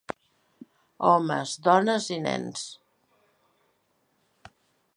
Homes, dones i nens.